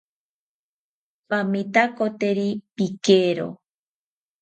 Pamitakoteri pikero